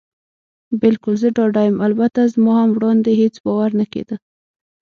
بلکل، زه ډاډه یم. البته زما هم وړاندې هېڅ باور نه کېده.